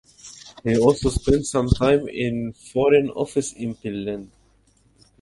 He also spent some time in the Foreign Office in Berlin.